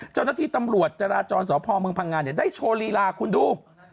เจ้าหน้าที่ตำรวจจราจรสพเมืองพังงานได้โชว์ลีลาคุณดู